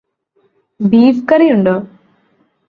Beef കറിയുണ്ടോ?